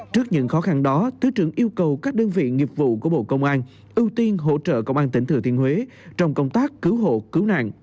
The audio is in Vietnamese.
trước những khó khăn đó thứ trưởng yêu cầu các đơn vị nghiệp vụ của bộ công an ưu tiên hỗ trợ công an tỉnh thừa thiên huế trong công tác cứu hộ cứu nạn